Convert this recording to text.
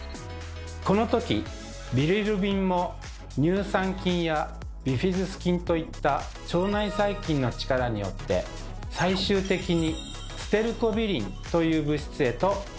このときビリルビンも乳酸菌やビフィズス菌といった腸内細菌の力によって最終的にステルコビリンという物質へと変化します。